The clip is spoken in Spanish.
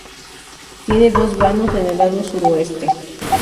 Tiene dos vanos en el lado Suroeste.